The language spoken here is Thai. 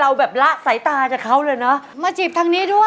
เอาเอวมาเอวมา